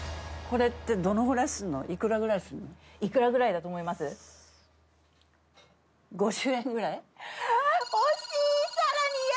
これってどのぐらいすんの？